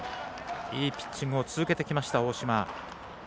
いいピッチングを続けてきた大嶋。